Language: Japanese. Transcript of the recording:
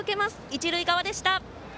一塁側でした。